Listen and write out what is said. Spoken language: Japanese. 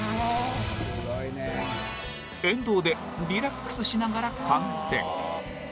沿道でリラックスしながら観戦。